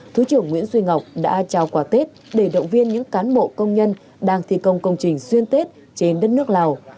thứ trưởng nguyễn duy ngọc đã trao quà tết để động viên những cán bộ công nhân đang thi công công trình xuyên tết trên đất nước lào